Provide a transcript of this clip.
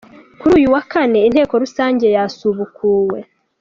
Kuri uyu wa Kane inteko rusange yasubukuwe.